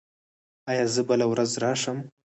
ایا زه بله ورځ راشم؟